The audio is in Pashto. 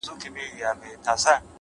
له ژړا دي خداى را وساته جانانه.!